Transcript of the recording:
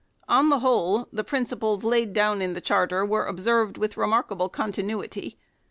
On the whole, the princi ples laid down in the Charter were observed with re markable continuity.